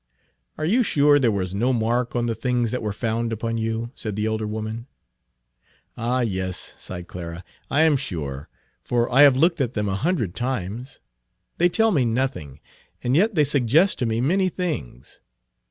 "Are you sure there was no mark on the things that were found upon you?" said the elder woman. Page 49 "Ah yes," sighed Clara, "I am sure, for I have looked at them a hundred times. They tell me nothing, and yet they suggest to me many things.